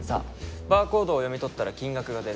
バーコードを読み取ったら金額が出る。